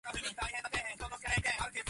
Hinkley was interred in Flushing City Cemetery.